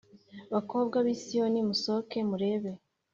bakobwa b ‘i Siyoni musohoke murebe